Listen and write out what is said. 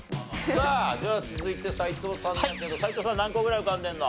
さあでは続いて斎藤さんですけど斎藤さんは何個ぐらい浮かんでるの？